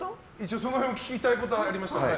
その辺聞きたいことありましたら。